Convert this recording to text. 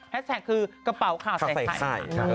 แท็กคือกระเป๋าข่าวใส่ไข่